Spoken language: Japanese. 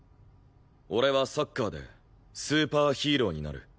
俺はサッカーでスーパーヒーローになる。